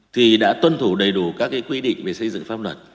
thì đã tuân thủ đầy đủ các quy định về xây dựng pháp luật